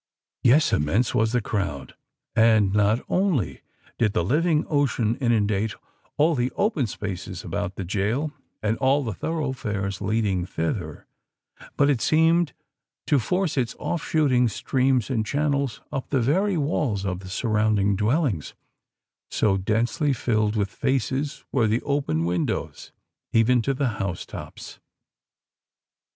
Yes: immense was the crowd;—and not only did the living ocean inundate all the open spaces about the gaol and all the thoroughfares leading thither,—but it seemed to force its off shooting streams and channels up the very walls of the surrounding dwellings, so densely filled with faces were the open windows—even to the house tops.